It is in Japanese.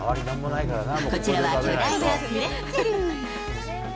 こちらは巨大なプレッツェル。